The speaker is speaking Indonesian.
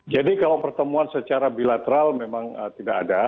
jadi kalau pertemuan secara bilateral memang tidak ada